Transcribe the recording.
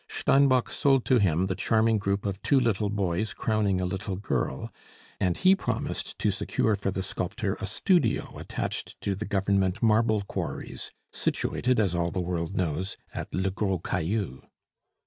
Steinbock sold to him the charming group of two little boys crowning a little girl, and he promised to secure for the sculptor a studio attached to the Government marble quarries, situated, as all the world knows, at Le Gros Caillou.